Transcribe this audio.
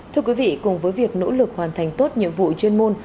thưa quý vị cùng với việc nỗ lực hoàn thành tốt nhiệm vụ chuyên môn